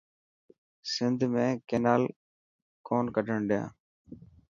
سنڌو ۾ ڪينال ڪون ڪڍڻ ڏيا.